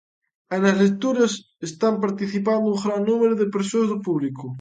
E nas lecturas están participando un gran número de persoas do público.